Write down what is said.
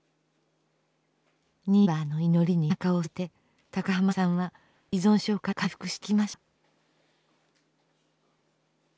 「ニーバーの祈り」に背中を押されて高浜さんは依存症から回復していきました。